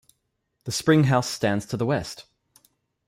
The spring house stands to the west.